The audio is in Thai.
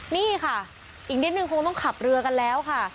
นี่ค่ะอีกนิดนึงคงต้องขับเรือกันแล้วค่ะ